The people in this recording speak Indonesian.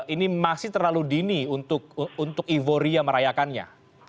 ini masih terlalu dini untuk euforia merayakannya